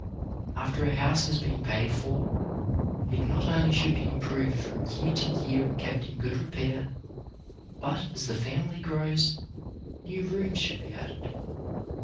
After a house has been paid for, it not only should be improved from year to year and kept ON GETTING A HOME 61 in good repair, but, as the family grows, new rooms should be added.